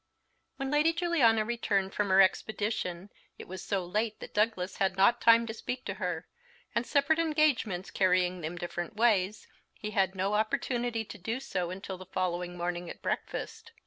_ WHEN Lady Juliana returned from her expedition, it was so late that Douglas had not time to speak to her; and separate engagements carrying them different ways, he had no opportunity to do so until the following morning at breakfast.